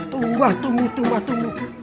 tumbah tumbuh tumbah tumbuh